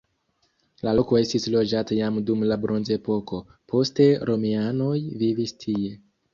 La loko estis loĝata jam dum la bronzepoko, poste romianoj vivis tie.